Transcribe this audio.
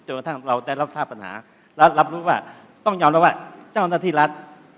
จนถ้าเราได้รับทราบปัญหาและรับรู้ว่าต้องยอมแล้วว่าเจ้าหน้าที่รัฐ